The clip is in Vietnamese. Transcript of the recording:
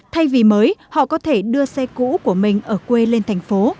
thay vì mới họ có thể đưa xe cũ của mình ở quê lên thành phố